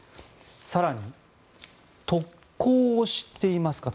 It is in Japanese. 更に、特攻を知っていますかと。